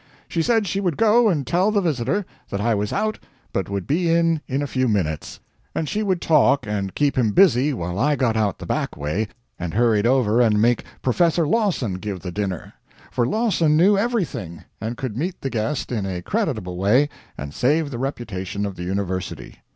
She said she would go and tell the visitor that I was out but would be in in a few minutes; and she would talk, and keep him busy while I got out the back way and hurried over and make Professor Lawson give the dinner. For Lawson knew everything, and could meet the guest in a creditable way and save the reputation of the University.